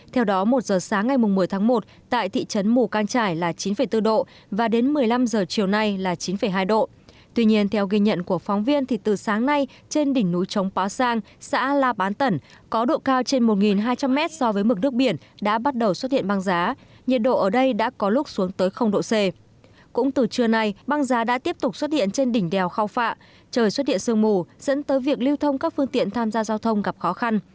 trời xuất hiện sương mù dẫn tới việc lưu thông các phương tiện tham gia giao thông gặp khó khăn